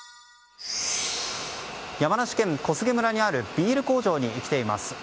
山梨県小菅村にあるビール工場に来ています。